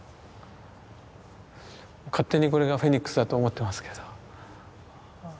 勝手にこれがフェニックスだと思ってますけど。